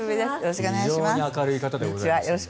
非常に明るい方でございます。